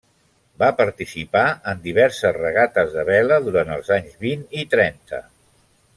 Va participar en diverses regates de vela durant els anys vint i trenta.